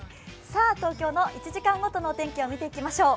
東京の１時間ごとの天気を見ていきましょう。